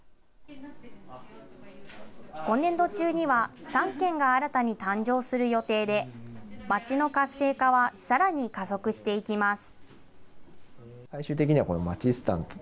今年度中には３軒が新たに誕生する予定で、街の活性化はさらに加速していきます。